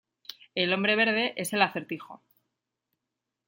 El hombre verde es el Acertijo.